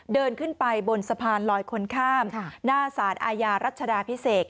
เดินขึ้นไปบนสะพานลอยคนข้ามหน้าสารอาญารัชดาพิเศษ